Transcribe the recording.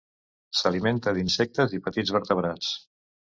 S'alimenta d'insectes i petits vertebrats.